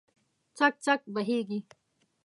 څک، څک بهیږې